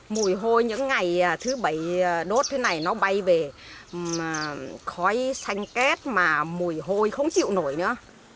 mùi hôi những ngày thứ bảy đốt thế này nó bay về khói xanh két mà mùi hôi không chịu nổi nữa